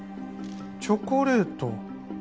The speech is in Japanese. チョコレート。